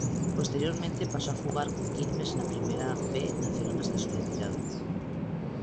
Posteriormente pasó a jugar con Quilmes en la Primera B Nacional hasta su retirada.